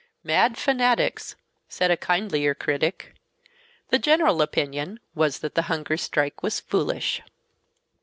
"Mad fanatics," said a kindlier critic. The general opinion was that the hunger strike was "foolish."